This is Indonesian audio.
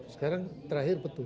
sekarang terakhir petugas